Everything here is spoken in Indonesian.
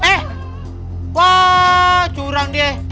eh wah curang dia